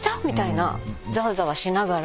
ざわざわしながら。